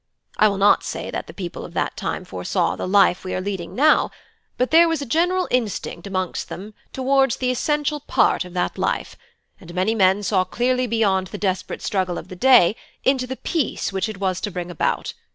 I will not say that the people of that time foresaw the life we are leading now, but there was a general instinct amongst them towards the essential part of that life, and many men saw clearly beyond the desperate struggle of the day into the peace which it was to bring about.